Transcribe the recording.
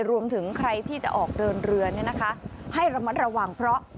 รวมถึงใครที่จะออกเดินเรือให้ระมัดระวังเพราะ